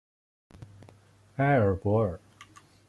埃尔博尔。